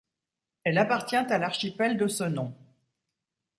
Elle appartient à l'archipel de ce nom.